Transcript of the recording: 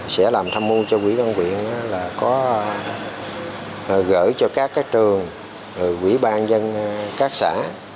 sẽ làm thăm mưu cho quỹ đơn quyền là có gửi cho các trường quỹ ban dân các xã